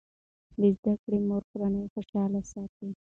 د زده کړې مور کورنۍ خوشاله ساتي.